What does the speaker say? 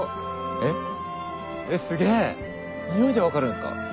えっすげぇ匂いで分かるんすか？